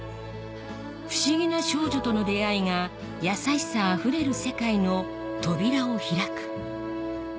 不思議な少女との出会いが優しさあふれる世界の扉を開く